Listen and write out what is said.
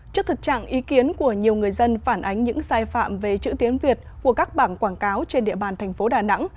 trước thực trạng ý kiến của nhiều người dân phản ánh những sai phạm về chữ tiếng việt của các bảng quảng cáo trên địa bàn thành phố đà nẵng